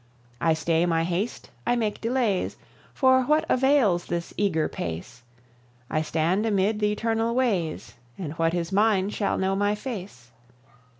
I stay my haste, I make delays, For what avails this eager pace? I stand amid the eternal ways, And what is mine shall know my face.